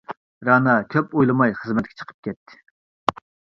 رەنا كۆپ ئويلىماي خىزمەتكە چىقىپ كەتتى.